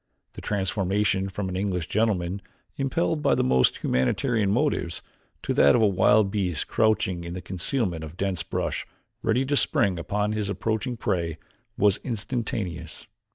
The transformation from an English gentleman, impelled by the most humanitarian motives, to that of a wild beast crouching in the concealment of a dense bush ready to spring upon its approaching prey, was instantaneous.